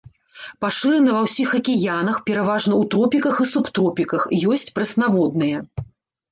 Пашыраны ва ўсіх акіянах, пераважна ў тропіках і субтропіках, ёсць прэснаводныя.